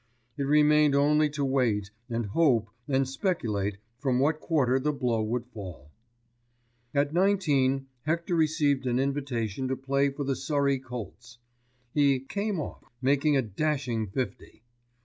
It remained only to wait and hope and speculate from what quarter the blow would fall. At nineteen Hector received an invitation to play for the Surrey Colts. He "came off," making a dashing fifty.